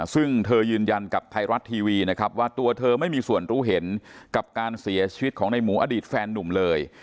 ซึ่งเธอยืนยันกับไทยรัฐทีวีนะครับว่าตัวเธอไม่มีส่วนรู้เห็นกับการเสียชีวิตของในหมูอดีตแฟนนุ่มเลย